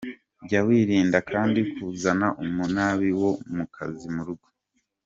Jya wirinda kandi kuzana umunabi wo mu kazi mu rugo.